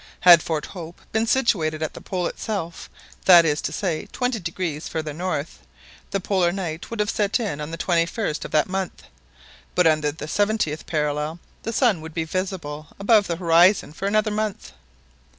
Had Fort Hope been situated at the Pole itself, that is to say, twenty degrees farther north, the polar night would have set in on the 21st of that month But under the seventieth parallel the sun would be visible above the horizon for another month.